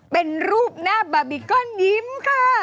เป็นรูปหน้าบาร์บีกอนยิ้มค่ะ